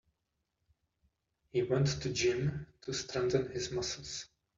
He went to gym to strengthen his muscles.